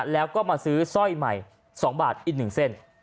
แล้วก็มาซื้อสร้อยใหม่๒บาทอีก๑เส้น